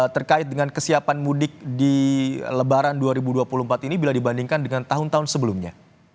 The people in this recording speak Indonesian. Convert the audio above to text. terkait dengan kesiapan mudik di lebaran dua ribu dua puluh empat ini bila dibandingkan dengan tahun tahun sebelumnya